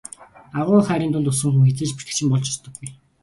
Агуу их хайрын дунд өссөн хүн хэзээ ч бэртэгчин болж өсдөггүй.